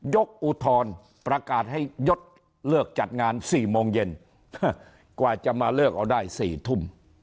อุทธรณ์ประกาศให้ยดเลิกจัดงาน๔โมงเย็นกว่าจะมาเลิกเอาได้๔ทุ่ม